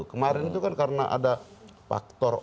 kemarin itu kan karena ada faktor